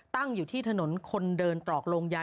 ตั้งอยู่ที่ถนนคนเดินตรอกโรงยา